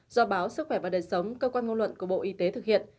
do báo sức khỏe và đời sống cơ quan ngôn luận của bộ y tế thực hiện